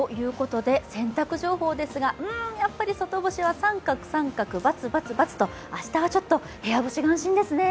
洗濯情報ですが、やっぱり外干しは△△×××と明日はちょっと部屋干しが安心ですね。